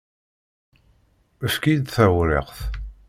Efk-iyi-d tawriqt.